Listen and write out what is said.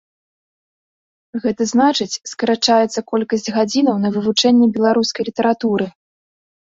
Гэта значыць, скарачаецца колькасць гадзінаў на вывучэнне беларускай літаратуры.